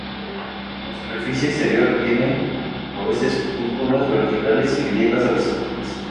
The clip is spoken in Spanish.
La superficie exterior tiene a veces pústulas verticales y grietas horizontales.